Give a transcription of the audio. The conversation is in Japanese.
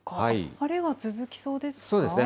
晴れが続きそうですか？